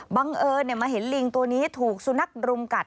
บังเอิญมาเห็นลิงตัวนี้ถูกสุนัขรุมกัด